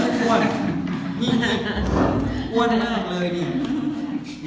เนี่ยอ้วนเนี่ยอ้วนมากเลยเนี่ย